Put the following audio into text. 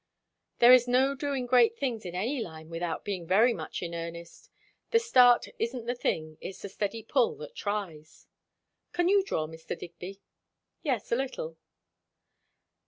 "There is no doing great things in any line without being very much in earnest. The start isn't the thing; it is the steady pull that tries." "Can you draw, Mr. Digby?" "Yes, a little."